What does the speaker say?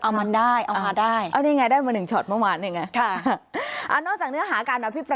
เอามันได้นะเอามาได้